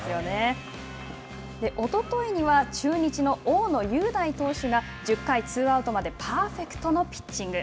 おとといには中日の大野雄大投手が１０回ツーアウトまでパーフェクトのピッチング。